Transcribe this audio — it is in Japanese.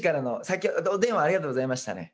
さっきお電話ありがとうございましたね。